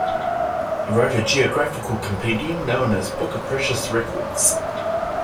He wrote a geographical compendium known as "Book of Precious Records".